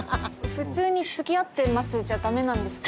普通につきあってますじゃダメなんですか？